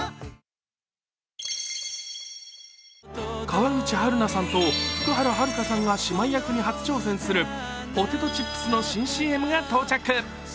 川口春奈さんと福原遥さんが姉妹役に初挑戦するポテトチップスの新ＣＭが到着。